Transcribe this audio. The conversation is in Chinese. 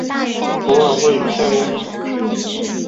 偶尔会与塞外一同使用。